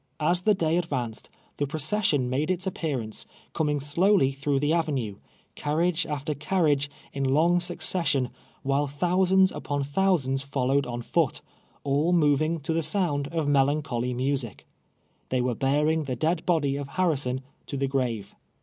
As the day advanced, the procession made its appear ance, coming slowly through the Avenue, cai'riage after carriage, in long succession, while thousands npon thousands followed on foot — all moving to the sound of meloncholy music. They were bearing the dead body of Harrison to the grave.